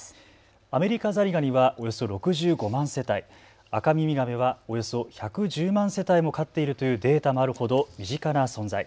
アメリカザリガニはおよそ６５万世帯、アカミミガメはおよそ１１０万世帯も飼っているというデータもあるほど身近な存在。